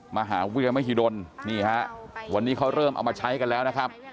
มหาวิทยาลมหิดลนี่ฮะวันนี้เขาเริ่มเอามาใช้กันแล้วนะครับ